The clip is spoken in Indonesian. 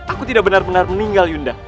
aku tidak benar benar meninggal yunda